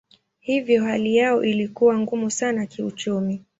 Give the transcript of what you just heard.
Hivyo hali yao ilikuwa ngumu sana kiuchumi.